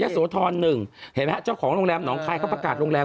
ยักษ์สวทร๑เห็นไหมฮะเจ้าของโรงแรมน้องคลายเขาประกาศโรงแรม